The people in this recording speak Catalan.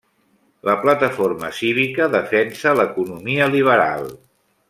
La Plataforma Cívica defensa l'economia liberal.